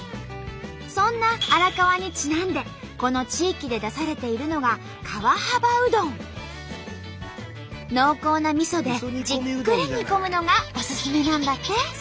そんな荒川にちなんでこの地域で出されているのが濃厚なみそでじっくり煮込むのがおすすめなんだって。